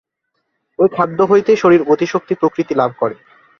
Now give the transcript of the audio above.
ঐ খাদ্য হইতেই শরীর গতিশক্তি প্রভৃতি লাভ করে।